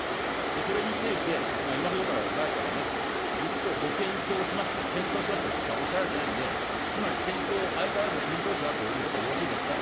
それについて、今ほどらいから、ご検討しますと、検討しますとしかおっしゃられてないんで、つまり検討、相変わらずのけんとうしであるということでよろしいですか。